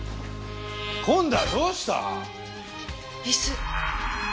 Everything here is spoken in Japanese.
今度はどうした！？椅子。